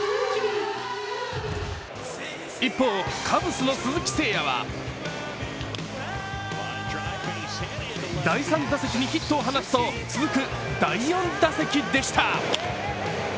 一方、カブスの鈴木誠也は第３打席にヒットを放つと続く第４打席でした。